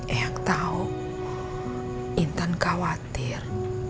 ayang tahu intan khawatir